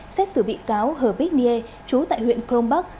xét xử bị cáo hờ bích niê chú tại huyện crong bắc